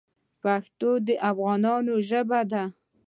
پښتو د افغانانو ژبه ده.